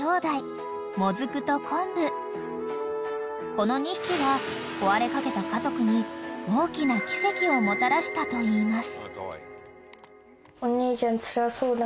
［この２匹は壊れかけた家族に大きな奇跡をもたらしたといいます］